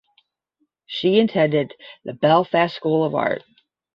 She attended the Belfast School of Art.